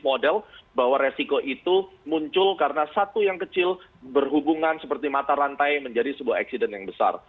model bahwa resiko itu muncul karena satu yang kecil berhubungan seperti mata rantai menjadi sebuah accident yang besar